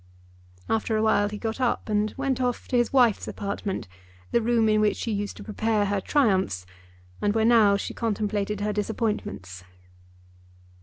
After a while he got up and went off to his wife's apartment, the room in which she used to prepare her triumphs and where now she contemplated her disappointments.